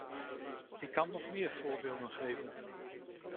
Ik kan nog meer voorbeelden geven.